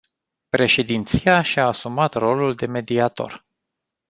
Președinția și-a asumat rolul de mediator.